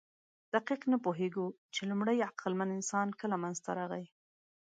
دقیق نه پوهېږو، چې لومړی عقلمن انسان کله منځ ته راغی.